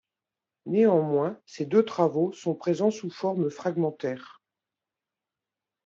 Néanmoins, ces deux travaux sont présents sous forme fragmentaires.